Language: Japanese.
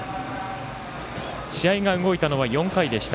試合が動いたのは４回でした。